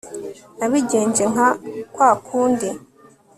nabigenje nka kwa kundi